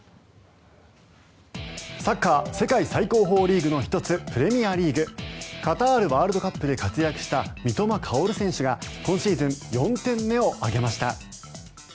サッカー世界最高峰リーグの１つプレミアリーグ。カタールワールドカップで活躍した三笘薫選手が今シーズン４点目を挙げました。